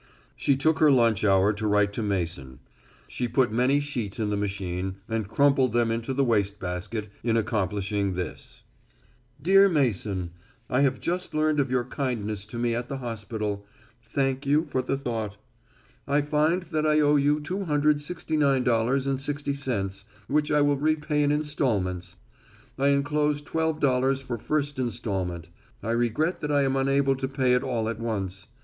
She took her lunch hour to write to Mason. She put many sheets in the machine and crumpled them into the waste basket in accomplishing this: Dear Mason: I have just learned of your kindness to me at the hospital. Thank you for the thought. _I find that I owe you $269.60, which I will repay in installments. I enclose $12 for first installment. I regret that I am unable to pay it all at once.